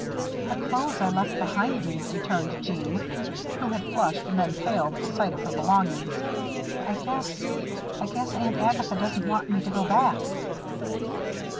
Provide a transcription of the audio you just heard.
"The clothes I left behind me," returned Jeanne, who had flushed and then paled at sight of her belongings. "I guess I guess Aunt Agatha doesn't want me to go back."